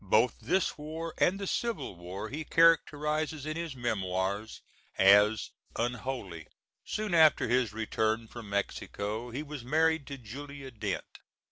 Both this war and the Civil War he characterizes in his Memoirs as "unholy." Soon after his return from Mexico he was married to Julia Dent.